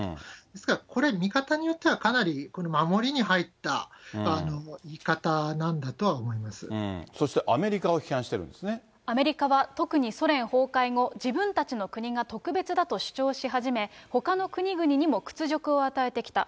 ですからこれ、見方によってはかなり守りに入った言い方なんだとそしてアメリカを批判してるアメリカは特にソ連崩壊後、自分たちの国が特別だと主張し始め、ほかの国々にも屈辱を与えてきた。